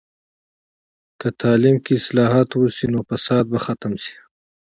که تعلیم کې اصلاحات وسي، نو فساد به ختم سي.